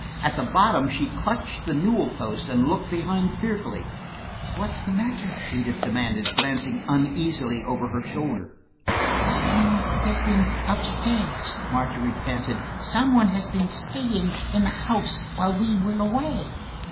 At the bottom she clutched the newel post and looked behind fearfully. "What's the matter?" Edith demanded, glancing uneasily over her shoulder. "Some one has been up stairs," Margery panted. "Somebody has been staying in the house while we were away."